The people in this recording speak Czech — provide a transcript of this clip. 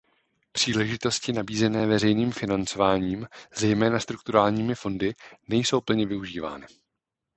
Příležitosti nabízené veřejným financováním, zejména strukturálními fondy, nejsou plně využívány.